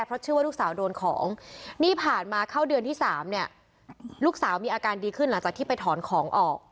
เพราะเชื่อว่าลูกสาวโดนของนี่ผ่านมาเข้าเดือนที่๓เนี่ยลูกสาวมีอาการดีขึ้นหลังจากที่ไปถอนของออก